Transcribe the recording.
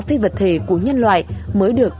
phi vật thể của nhân loại mới được